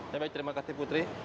ya baik terima kasih putri